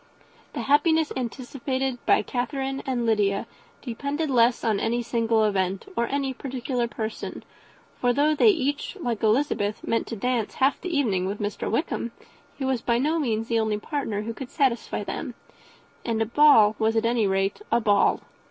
The happiness anticipated by Catherine and Lydia depended less on any single event, or any particular person; for though they each, like Elizabeth, meant to dance half the evening with Mr. Wickham, he was by no means the only partner who could satisfy them, and a ball was, at any rate, a ball.